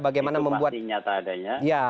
bagaimana membuat itu pasti nyata adanya